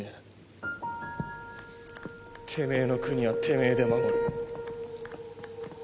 てめえの国はてめえで守る。